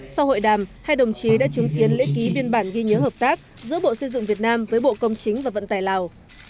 sau hội đàm hai đồng chí đã chứng kiến lễ ký biên bản ghi nhớ hợp tác giữa bộ xây dựng việt nam với bộ công chính và vận tài lào